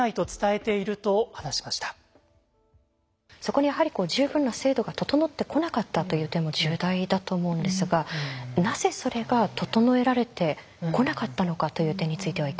そこにやはり十分な制度が整ってこなかったという点も重大だと思うんですがなぜそれが整えられてこなかったのかという点についてはいかがですか？